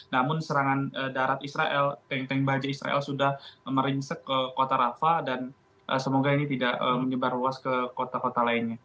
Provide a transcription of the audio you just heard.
namun serangan darat israel teng teng baja israel sudah merinsek ke kota rafah dan semoga ini tidak menyebar luas ke kota kota lainnya